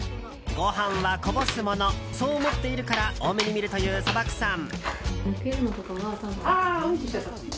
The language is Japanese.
ごはんはこぼすものそう思っているから大目に見るという砂漠さん。